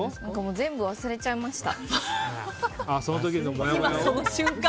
全部忘れちゃいました。